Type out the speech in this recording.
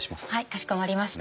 かしこまりました。